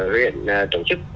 huyện tổ chức